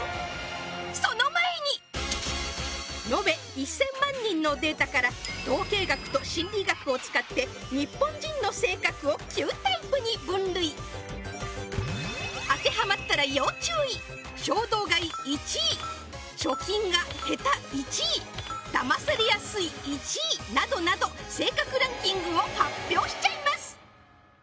その前に延べ１０００万人のデータから統計学と心理学を使って日本人の性格を９タイプに分類当てはまったら要注意衝動買い１位貯金が下手１位だまされやすい１位などなど性格ランキングを発表しちゃいます